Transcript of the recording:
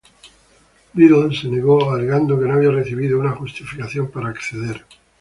Biddle se negó, alegando que no había recibido una justificación para acceder.